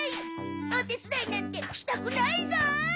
おてつだいなんてしたくないぞ！